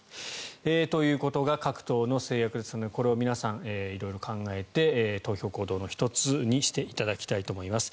ということが各党の公約ですのでこれを皆さん、色々考えて投票行動の１つにしていただきたいと思います。